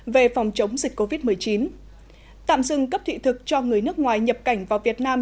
về phòng chống dịch covid một mươi chín tạm dừng cấp thị thực cho người nước ngoài nhập cảnh vào việt nam